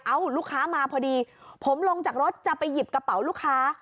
ลูกค้ามาพอดีผมลงจากรถจะไปหยิบกระเป๋าลูกค้า